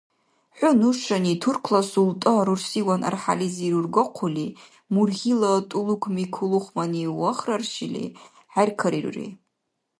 ХӀу нушани, туркла султӀа рурсиван архӀялизи рургахъули, мургьила тӀулукми-кулухмани вахраршили, хӀеркарирури...